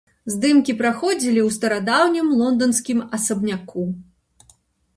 Здымкі праходзілі ў старадаўнім лонданскім асабняку.